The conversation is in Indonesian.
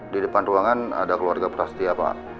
di depan ruangan ada keluarga prasetya pak